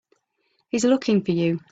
He's looking for you.